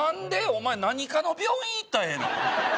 お前何科の病院行ったらええの？